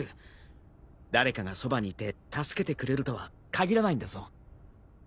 誰かがそばにいて助けてくれるとは限らないんだぞ。